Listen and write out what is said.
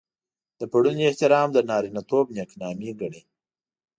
د پړوني احترام د نارينه توب نېکنامي ګڼي.